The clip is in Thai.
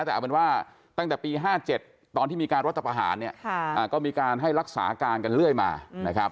แต่ตั้งแต่ปี๕๗ตอนที่มีการรถตับอาหารก็มีการให้รักษาการกันเรื่อยมา